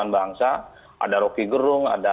bangsa ada roky gerung ada